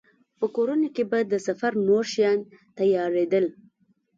په کورونو کې به د سفر نور شیان تيارېدل.